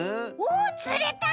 おつれた！